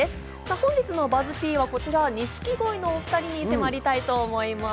本日のＢＵＺＺ−Ｐはこちら、錦鯉のお２人に迫りたいと思います。